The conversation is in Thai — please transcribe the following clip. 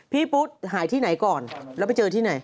พุทธหายที่ไหนก่อนแล้วไปเจอที่ไหน